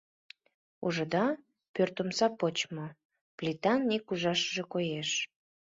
Ужыда, пӧрт омса почмо, плитан ик ужашыже коеш.